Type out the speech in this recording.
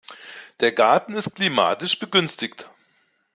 Der Garten ist klimatisch begünstigt.